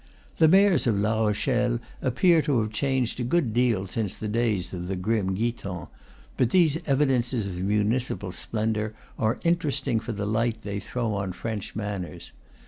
The mayors of La Rochelle appear to have changed a good deal since the days of the grim Guiton; but these evidences of municipal splendor are interesting for the light they throw on French manners.